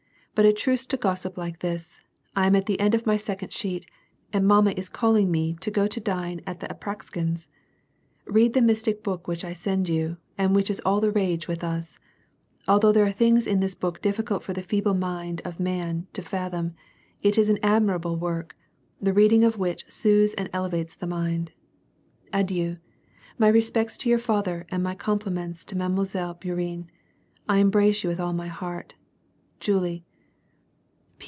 " But a truce to gossip like this. I am at the end of my second sheet, and mamma is calling me to go to dine at the Apraksins. Read the mystic book which I send you, and which is all the rage with us. Although there are things in this book difficult for the feeble mind of man to fathom, it is an admira ble work, the reading of which soothes and elevates the mind. Adieu. My respects to your father, and my compliments to Mile. Bourienne. I embrace you with all my heart. "Julie.